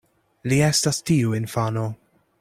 Li estas tiu infano.